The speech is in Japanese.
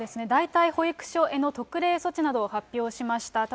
代替保育所への特例措置などを発表しました。